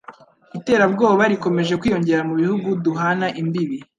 iterabwoba rikomeje kwiyongera mubihugu duhana imbibi